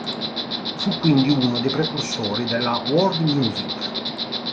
Fu quindi uno dei precursori della world music.